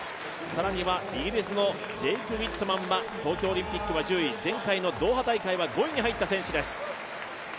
更にはイギリスのジェイク・ウィットマンは東京オリンピックは１０位、前回のドーハ大会は５位に入った選手です。